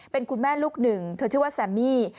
เป็นคุณแม่ลูกหนึ่งเธอชื่อว่าแซมมี่